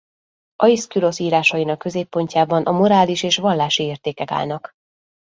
Aiszkhülosz írásainak középpontjában a morális és vallási értékek állnak.